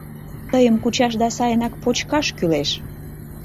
Тыйым кучаш да сайынак почкаш кӱлеш...